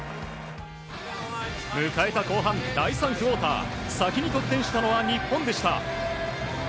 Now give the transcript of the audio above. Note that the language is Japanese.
迎えた後半第３クオーター先に得点したのは日本でした。